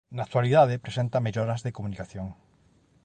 Na actualidade presenta melloras de comunicación.